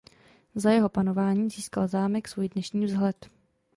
Za jeho panování získal zámek svůj dnešní vzhled.